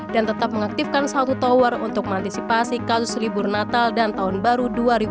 dan tetap mengaktifkan satu tower untuk mengantisipasi kasus libur natal dan tahun baru dua ribu dua puluh dua